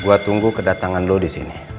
gue tunggu kedatangan lo disini